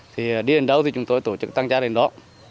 thì đi đến đâu thì chúng tôi tổ chức tăng gia đến đó